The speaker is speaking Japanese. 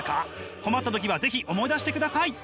困った時は是非思い出してください！